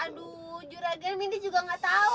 aduh juragan mindi juga gak tau apaan ya